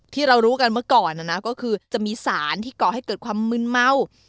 ที่เรารู้กันเมื่อก่อนนะก็คือจะมีสารที่ก่อให้เกิดความมืนเมา